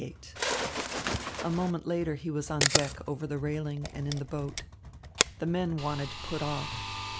XLVIII A moment later he was on deck, over the railing, and in the boat. The men wanted to put off.